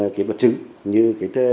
cái máy bơm nước ở trong giếng